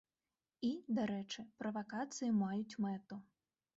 І, дарэчы, правакацыі маюць мэту.